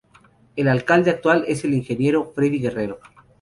El alcalde actual es el Ing. Freddy Guerrero.